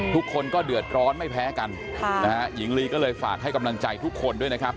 ทุกคนก็เดือดร้อนไม่แพ้กันหญิงลีก็เลยฝากให้กำลังใจทุกคนด้วยนะครับ